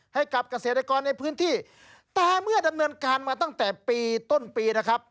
ให้กับเกษตรกรในพื้นที่แต่เมื่อดำเนินการมาตั้งแต่ปีต้นปีนะครับ